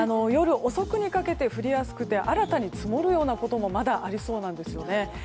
夜遅くにかけて降りやすくて新たに積もることもまだありそうなんですよね。